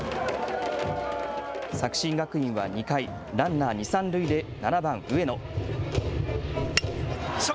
作新学院は２回、ランナー二、三塁で７番・上野。